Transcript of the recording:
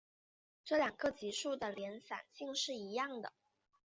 这两个级数的敛散性是一样的。